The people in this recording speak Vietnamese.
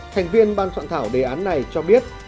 thành viên ban soạn thảo đề án này cho biết